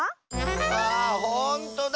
わあほんとだ！